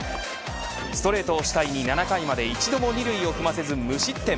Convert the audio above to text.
ストレートを主体に７回まで一度も二塁を踏ませず無失点。